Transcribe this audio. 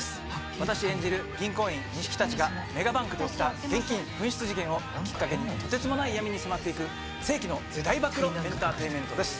私演じる銀行員西木たちがメガバンクで起きた現金紛失事件をきっかけにとてつもない闇に迫っていく世紀の大暴露エンターテインメントです。